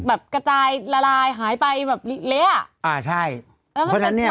แบบกระจายละลายหายไปแบบเลี้ยอ่าใช่เพราะฉะนั้นเนี่ย